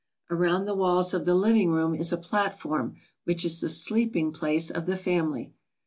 Around the walls of the living room is a platform, which is the sleeping place of the family.